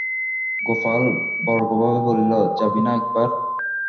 গোপাল ব্যগ্রভাবে বলিল, যাবি না একবার?